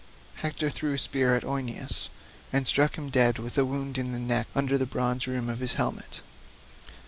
Hector threw a spear at Eioneus and struck him dead with a wound in the neck under the bronze rim of his helmet.